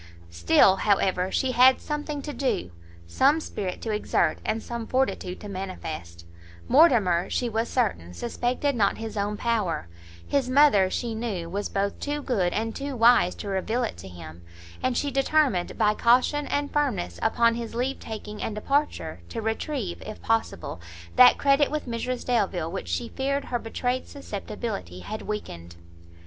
Still, however, she had something to do, some spirit to exert, and some fortitude to manifest; Mortimer, she was certain, suspected not his own power; his mother, she knew, was both too good and too wise to reveal it to him, and she determined, by caution and firmness upon his leave taking and departure, to retrieve, if possible, that credit with Mrs Delvile, which she feared her betrayed susceptibility had weakened.